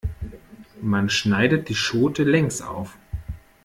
Man schneidet die Schote längs auf.